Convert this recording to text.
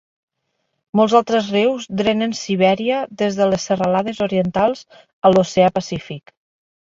Molts altres rius drenen Sibèria des de les serralades orientals a l'oceà Pacífic.